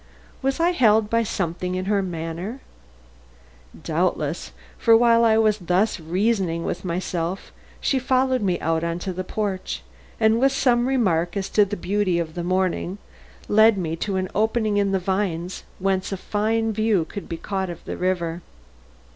Was I held by something in her manner? Doubtless, for while I was thus reasoning with myself she followed me out on to the porch, and with some remark as to the beauty of the morning, led me to an opening in the vines, whence a fine view could be caught of the river.